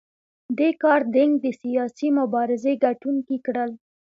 دې کار دینګ د سیاسي مبارزې ګټونکي کړل.